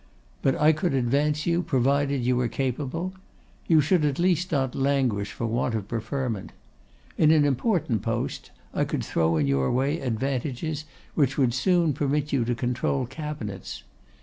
But I could advance you, provided you were capable. You should, at least, not languish for want of preferment. In an important post, I could throw in your way advantages which would soon permit you to control cabinets.